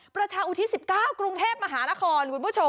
ประชาอุทิศ๑๙กรุงเทพมหานคร